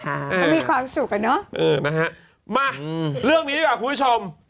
เขามีความสุขอ่ะเนอะเออนะฮะมาเรื่องนี้ดีกว่าคุณผู้ชม